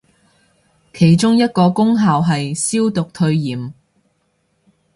其中一個功效係消毒退炎